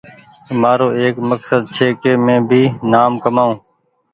مآرو ايڪ مڪسد ڇي ڪ مينٚ بي نآم ڪمآئو